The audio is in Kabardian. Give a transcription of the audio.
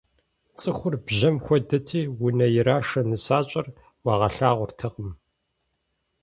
ЦӀыхур бжьэм хуэдэти, унэ ирашэ нысащӀэр уагъэлъагъуртэкъым.